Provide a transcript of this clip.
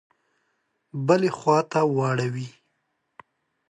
بلي خواته واړوي.